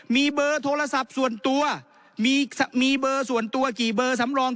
มีเบอร์โทรศัพท์ส่วนตัวมีเบอร์ส่วนตัวกี่เบอร์สำรอง